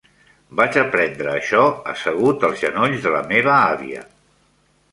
Vaig aprendre això assegut als genolls de la meva àvia.